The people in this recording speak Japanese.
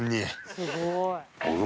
すごい。